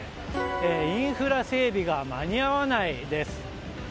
インフラ整備が間に合わないです。